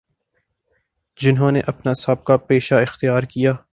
جنہوں نے اپنا سا بقہ پیشہ اختیارکیا